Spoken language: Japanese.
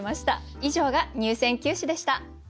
以上が入選九首でした。